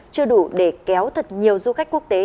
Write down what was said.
chưa đủ để kéo thật nhiều du khách quốc tế